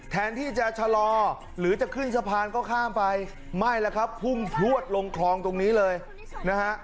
แทนที่จะชะลอหรือจะขึ้นสะพานก็ข้ามไปไม่แล้วครับพุ่งพลวดลงคลองตรงนี้เลยนะฮะ